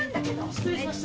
失礼しました。